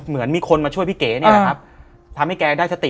เหมือนมีคนมาช่วยพี่เก๋นี่แหละครับทำให้แกได้สติ